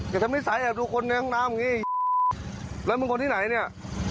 อย่าจะไม่ใสแอบดูคนในห้องน้ำไอ้แล้วมึงคนที่ไหนเนี่ย